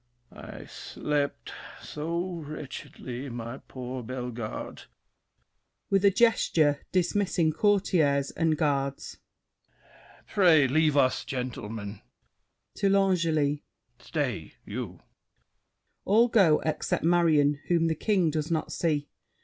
I slept so wretchedly, my poor Bellegarde. [With a gesture dismissing Courtiers and Guards. Pray leave us, gentlemen! [To L'Angely.] Stay, you! [All go out except Marion, whom The King does not see.